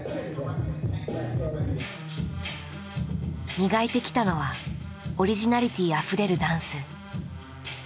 磨いてきたのはオリジナリティーあふれるダンス。